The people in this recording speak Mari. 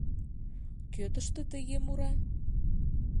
Кӧ тыште тыге мура?..»